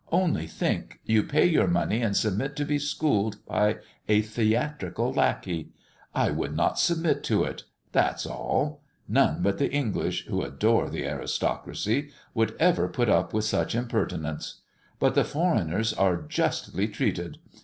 Only think, you pay your money and submit to be schooled by a theatrical lackey. I would not submit to it, that's all; none but the English, who adore the aristocracy, would ever put up with such impertinence. But the foreigners are justly treated.